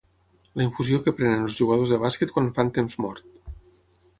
La infusió que prenen els jugadors de bàsquet quan fan temps mort.